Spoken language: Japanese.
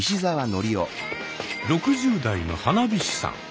６０代の花火師さん。